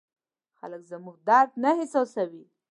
خلک زموږ درد نه احساسوي.